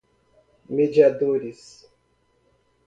mediadores